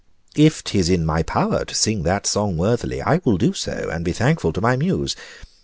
If 'tis in my power to sing that song worthily, I will do so, and be thankful to my Muse.